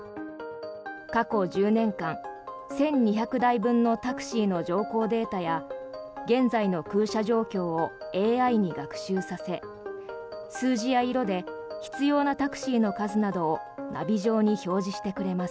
過去１０年間１２００台分のタクシーの乗降データや現在の空車状況をＡＩに学習させ数字や色で必要なタクシーの数などをナビ上に表示してくれます。